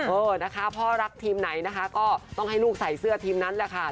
เออนะคะพ่อรักทีมไหนนะคะก็ต้องให้ลูกใส่เสื้อทีมนั้นแหละค่ะ